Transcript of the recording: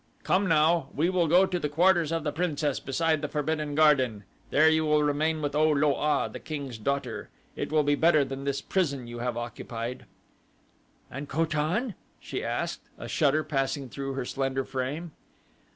"Come now, we will go to the quarters of the princess beside the Forbidden Garden. There you will remain with O lo a, the king's daughter. It will be better than this prison you have occupied." "And Ko tan?" she asked, a shudder passing through her slender frame.